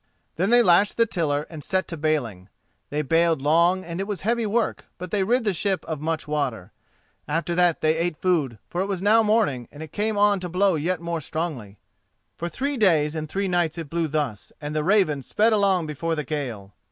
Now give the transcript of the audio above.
Then they lashed the tiller and set to bailing. They bailed long, and it was heavy work, but they rid the ship of much water. After that they ate food, for it was now morning, and it came on to blow yet more strongly. For three days and three nights it blew thus, and the Raven sped along before the gale.